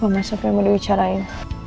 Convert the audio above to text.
apa mas apa yang mau diwicarain